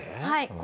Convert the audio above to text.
はい。